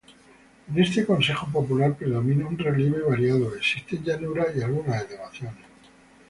En este consejo popular predomina un relieve variado, existen llanuras y algunas elevaciones.